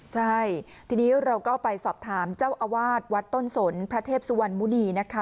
ใช่ทีนี้เราก็ไปสอบถามเจ้าอาวาสวัดต้นสนพระเทพสุวรรณมุณีนะคะ